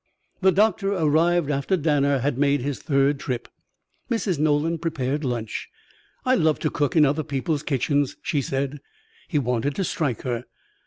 The doctor arrived after Danner had made his third trip. Mrs. Nolan prepared lunch. "I love to cook in other people's kitchens," she said. He wanted to strike her.